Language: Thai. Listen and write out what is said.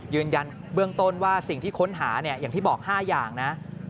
ยืนยันเบื้องต้นว่าสิ่งที่ค้นหาเนี่ยอย่างที่บอก๕อย่างนะ